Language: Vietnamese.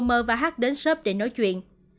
m h đến sớp để nói chuyện